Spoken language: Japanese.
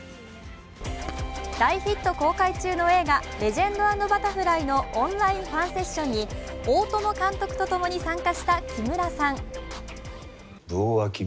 大ヒット公開中の映画「レジェンド＆バタフライ」のオンライン・ファンセッションに大友監督とともに参加した木村さん。